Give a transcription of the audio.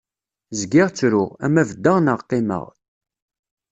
Zgiɣ ttruɣ, ama beddeɣ naɣ qimmeɣ.